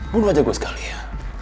bunuh aja gue sekali ya